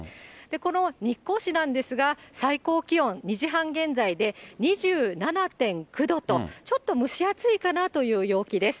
この日光市なんですが、最高気温２時半現在で２７．９度と、ちょっと蒸し暑いかなという陽気です。